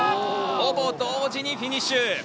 ほぼ同時にフィニッシュ！